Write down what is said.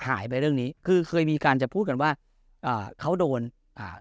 หายไปเรื่องนี้คือเคยมีการจะพูดกันว่าอ่าเขาโดนอ่า